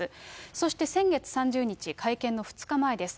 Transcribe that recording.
そして先月３０日、会見の２日前です。